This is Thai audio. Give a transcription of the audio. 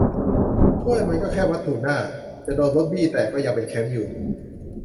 ถ้วยมันก็แค่วัตถุน่า จะโดนรถบี้แตกก็ยังเป็นแชมป์อยู่